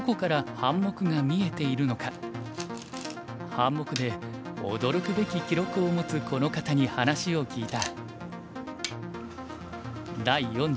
半目で驚くべき記録を持つこの方に話を聞いた。